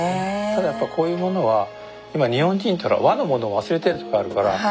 ただやっぱこういうものは今日本人っていうのは和のものを忘れているところがあるから。